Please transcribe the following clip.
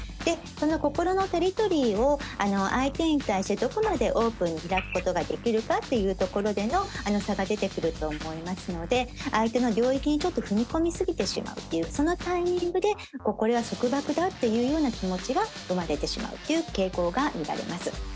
心のテリトリーを相手に対してどこまでオープンに開くことができるかっていうところでの差が出てくると思いますので相手の領域にちょっと踏み込み過ぎてしまうっていうそのタイミングでこれは束縛だっていうような気持ちが生まれてしまうという傾向が見られます。